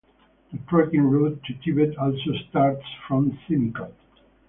The trekking route to Tibet also starts from Simikot.